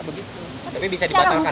begitu tapi bisa dibatalkan